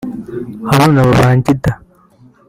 Haruna Babangida